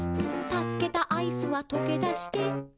「たすけたアイスはとけだして」